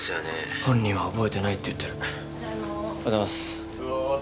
本人は覚えてないって言ってる・おはようございますおはようございます